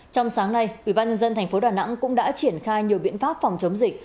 trong sáng nay ubnd tp đà nẵng cũng đã triển khai nhiều biện pháp phòng chống dịch